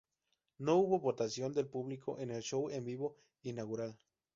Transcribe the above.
No hubo votación del público en el show en vivo inaugural.